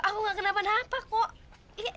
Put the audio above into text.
eh aku gak kena benda apa kok